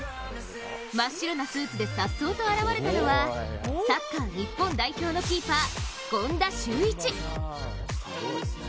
真っ白なスーツでさっそうと現れたのはサッカー日本代表のキーパー権田修一。